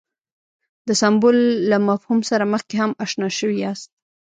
د سمبول له مفهوم سره مخکې هم اشنا شوي یاست.